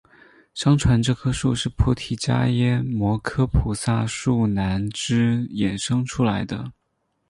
相传这棵树是菩提伽耶摩诃菩提树南枝衍生出来的。